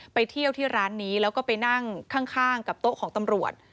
ไปเที่ยวที่ร้านนี้แล้วก็ไปนั่งข้างกับโต๊ะของตำรวจ